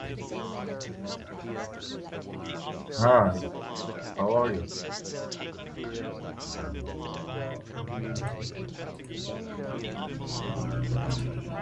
Similar support has been given by the local council authorities in Gloucestershire.